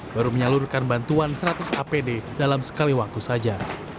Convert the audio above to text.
baru menyalurkan bantuan seratus apd dalam sekali waktu saja